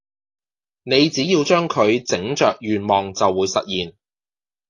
你只要將佢整着願望就會實現